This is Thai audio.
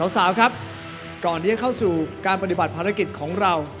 สาวครับก่อนที่จะเข้าสู่การปฏิบัติภารกิจของเรา